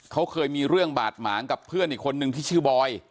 เขาเคยมีเรื่องบาดหมางกับเพื่อนอีกคนนึงที่ชื่อบอย